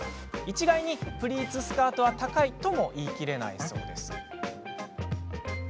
一概に、プリーツスカートは高いとも言い切れないそうです。